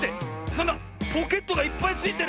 なんだポケットがいっぱいついてる！